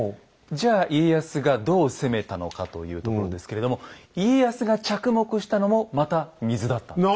じゃあ家康がどう攻めたのかというところですけれども家康が着目したのもまた水だったんです。